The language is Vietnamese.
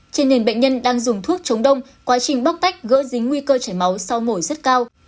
trên nền bệnh nhân đang dùng thuốc chống đông quá trình bóc tách gỡ dính nguy cơ chảy máu sau mổ rất cao